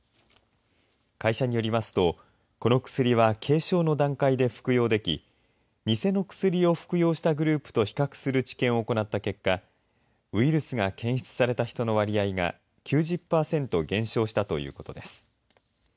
会社によりますとこの薬は、軽症の段階で服用でき偽の薬を服用したグループと比較する治験を行った結果ウイルスが検出された人の割合が９０パーセント減少したということです。